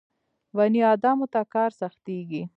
بني ادمانو ته کار سختېږي.